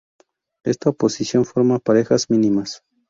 Esta oposición forma parejas mínimas.